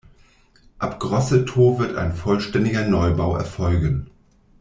Ab Grosseto wird ein vollständiger Neubau erfolgen.